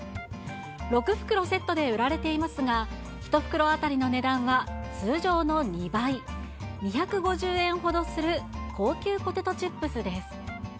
６袋セットで売られていますが、１袋当たりの値段は通常の２倍、２５０円ほどする高級ポテトチップスです。